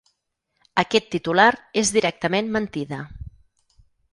Aquest titular és directament mentida.